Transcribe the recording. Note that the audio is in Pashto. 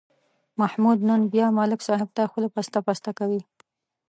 محمود نن بیا ملک صاحب ته خوله پسته پسته کوي.